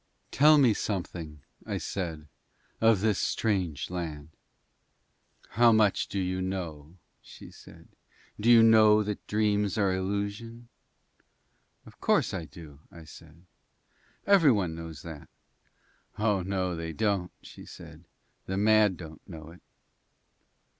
"Tell me something," I said, "of this strange land!" "How much do you know?" she said. "Do you know that dreams are illusion?" "Of course I do," I said. "Every one knows that." "Oh no they don't," she said, "the mad don't know it."